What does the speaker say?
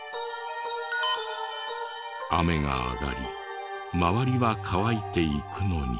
雨が上がり周りは乾いていくのに。